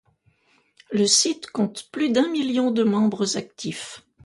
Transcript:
Le site compte plus d'un million de membres actifs.